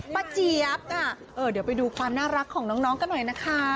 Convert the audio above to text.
เจี๊ยบเดี๋ยวไปดูความน่ารักของน้องกันหน่อยนะคะ